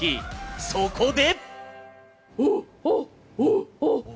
そこで。